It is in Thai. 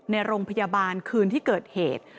ในโรงพยาบาลคืนที่เกิดเหตุ